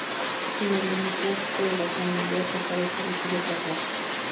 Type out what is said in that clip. Sin el beneplácito de las familias, la pareja decide casarse.